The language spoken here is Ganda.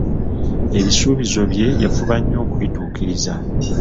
Ebisuubizo bye yafuba nnyo okubituukiriza.